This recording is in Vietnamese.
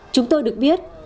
chúng tôi được biết